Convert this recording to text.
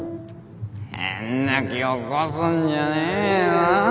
変な気起こすんじゃねえぞ」。